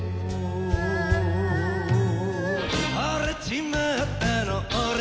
「惚れちまったの俺」